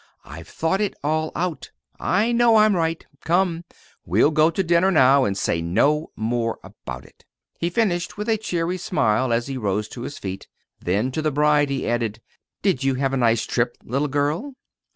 "I've thought it all out. I know I'm right. Come, we'll go to dinner now, and say no more about it," he finished with a cheery smile, as he rose to his feet. Then, to the bride, he added: "Did you have a nice trip, little girl?"